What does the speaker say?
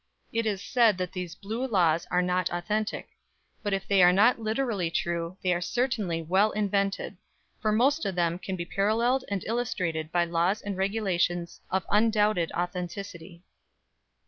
It is said that these "Blue Laws" are not authentic; but if they are not literally true, they are certainly well invented, for most of them can be paralleled and illustrated by laws and regulations of undoubted authenticity.